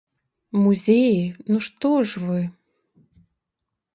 Музеі, ну што ж вы!